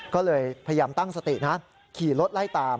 ก็เลยพยายามตั้งสตินะขี่รถไล่ตาม